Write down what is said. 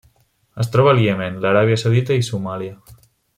Es troba al Iemen, l'Aràbia Saudita i Somàlia.